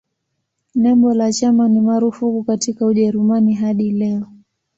Nembo la chama ni marufuku katika Ujerumani hadi leo.